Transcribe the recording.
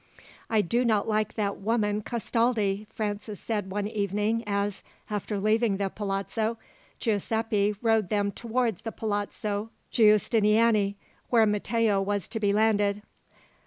"I do not like that woman Castaldi," Francis said one evening as, after leaving the palazzo, Giuseppi rowed them towards the Palazzo Giustiniani, where Matteo was to be landed.